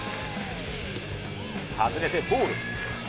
外れてボール。